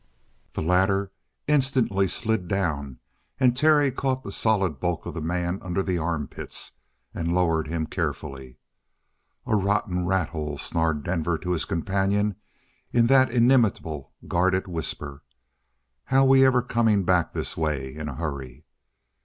The latter instantly slid down and Terry caught the solid bulk of the man under the armpits and lowered him carefully. "A rotten rathole," snarled Denver to his companion in that inimitable, guarded whisper. "How we ever coming back this way in a hurry?"